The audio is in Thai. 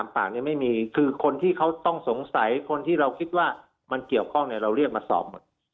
ปากนี้ไม่มีคือคนที่เขาต้องสงสัยคนที่เราคิดว่ามันเกี่ยวข้องเราเรียกมาสอบหมด